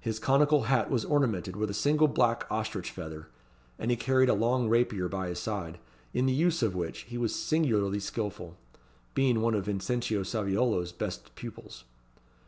His conical hat was ornamented with a single black ostrich feather; and he carried a long rapier by his side, in the use of which he was singularly skilful; being one of Vincentio Saviolo's best pupils.